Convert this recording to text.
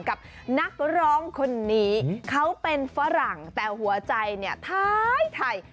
กับนักร้องคนนี้เขาเป็นฝรั่งแต่หัวใจเนี่ยท้าย